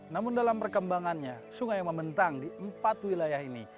namun dalam perkembangannya sungai yang membentang di empat wilayah ini